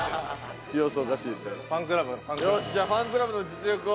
じゃあファンクラブの実力を。